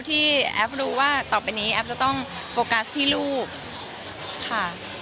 แอฟรู้ว่าต่อไปนี้แอฟจะต้องโฟกัสที่ลูกค่ะ